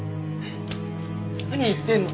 何言ってるの。